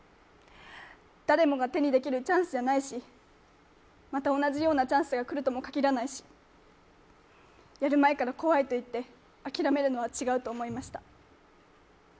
誰もが手にできるチャンスじゃないしまた同じようなチャンスが来るとも限らないしやる前から怖いと言って諦めるのは違うと思いました。